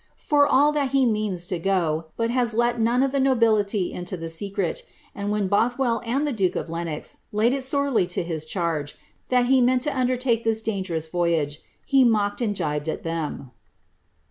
For all that he means to go, but has let none of the nobility into the secret, and when Both well and the duke of Lenox laid it sorely to his charge, that he meant to undertake this dangerous voyage, he mocked and jibed at them."